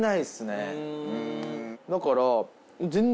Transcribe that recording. だから。